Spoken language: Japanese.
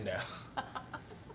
ハハハ。